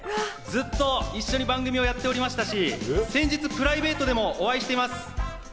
ずっと一緒に番組をやっておりましたし、先日、プライベートでもお会いしています。